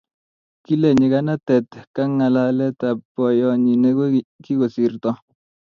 kile nyikanatet ka ngalalet ab boyonyi ne kikosirto